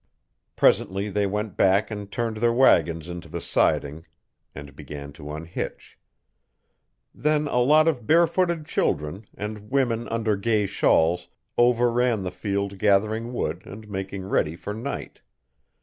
Presently they went back and turned their wagons into the siding and began to unhitch. Then a lot of barefooted children, and women under gay shawls, overran the field gathering wood and making ready for night.